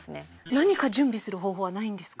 何か準備する方法はないんですか？